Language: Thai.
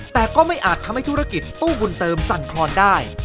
แต่ก็ไม่อาจทำให้ธุรกิจตู้บุญเติมสั่นคลอนได้